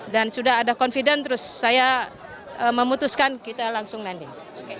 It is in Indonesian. dan sudah ada confident terus saya memutuskan kita langsung landing